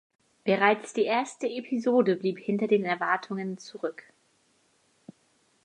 Bereits die erste Episode blieb hinter den Erwartungen zurück.